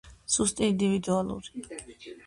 სუსტი ინდივიდუალური.